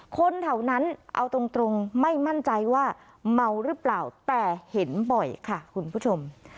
คนแถวนั้นเอาตรงไม่มั่นใจว่าเมาหรือเปล่าแต่เห็นบ่อยค่ะคุณผู้ชม